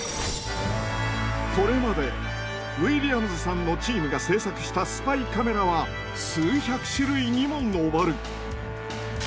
これまでウィリアムズさんのチームが制作したスパイカメラは数百種類にも上る。